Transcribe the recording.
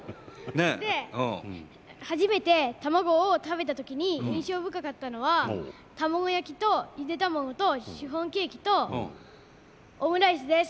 で初めて卵を食べた時に印象深かったのは卵焼きとゆで卵とシフォンケーキとオムライスです。